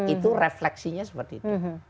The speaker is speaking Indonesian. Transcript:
itu refleksinya seperti itu